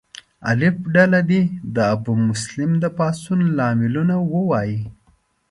الف ډله دې د ابومسلم د پاڅون لاملونه ووایي.